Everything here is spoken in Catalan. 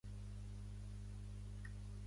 Inclouen peixos molt importants econòmicament.